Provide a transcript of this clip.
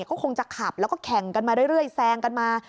ก็คงจะขับแล้วก็แข่งกันมาเรื่อยแซงกันมา